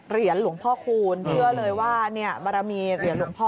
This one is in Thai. เหรียญหลวงพ่อคูณเชื่อเลยว่าบารมีเหรียญหลวงพ่อ